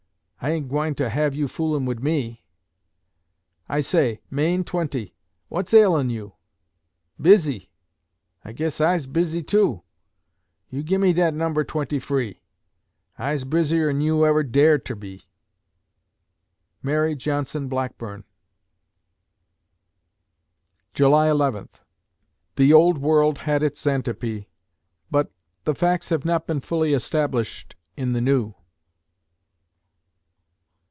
(I ain't gwine to have you foolin' wid me!) I say, Main twenty what's ailin' you? 'Bizzy!' I guess I'se bizzy, too! You gim me dat number twenty free, I'se bizzier 'n you ever dared ter be!" MARY JOHNSON BLACKBURN July Eleventh The Old World had its Xantippe; but the facts have not been fully established in the New!